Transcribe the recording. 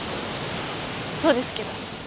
そうですけど。